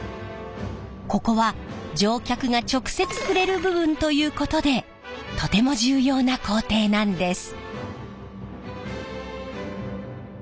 ここは乗客が直接触れる部分ということでとても重要な工程なんです。